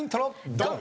ドン！